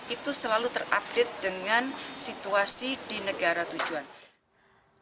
itu selalu terupdate dengan situasi di negara tujuan